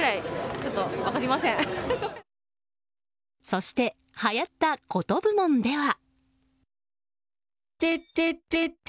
そしてはやったコト部門では。